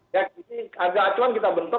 ya ini harga acuan kita bentuk